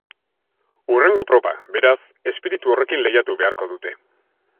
Hurrengo proba, beraz, espiritu horrekin lehiatu beharko dute.